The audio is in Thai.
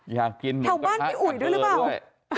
อยากกินหมู่กระทะกันเจลด้วยแถวบ้านพ์น้องอุ๋ยด้วยรึเปล่า